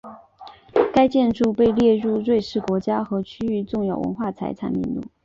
该建筑被列入瑞士国家和区域重要文化财产名录。